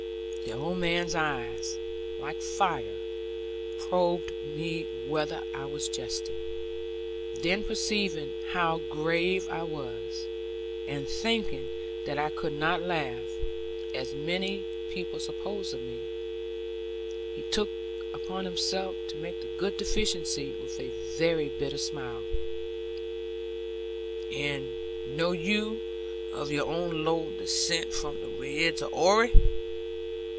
The old man's eyes, like fire, probed me whether I was jesting; then perceiving how grave I was, and thinking that I could not laugh (as many people suppose of me), he took on himself to make good the deficiency with a very bitter smile. 'And know you of your own low descent from the Ridds of Oare?'